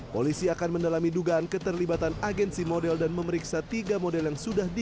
polisi akan mendalami dugaan keterlibatan agensi model dan memeriksa tiga model yang sudah di